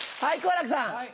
はい。